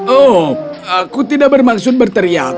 oh aku tidak bermaksud berteriak